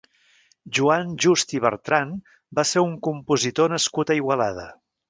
Joan Just i Bertran va ser un compositor nascut a Igualada.